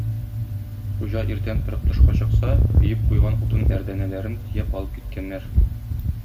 Хуҗа иртән торып тышка чыкса - өеп куйган утын әрдәнәләрен төяп алып киткәннәр.